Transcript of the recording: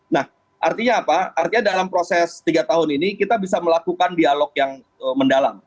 nah artinya apa artinya dalam proses tiga tahun ini kita bisa melakukan dialog yang mendalam